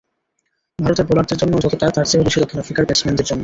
ভারতের বোলারদের জন্য যতটা, তার চেয়েও বেশি দক্ষিণ আফ্রিকার ব্যাটসম্যানদের জন্য।